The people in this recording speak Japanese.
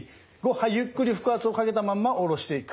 はいゆっくり腹圧をかけたまんま下ろしていく。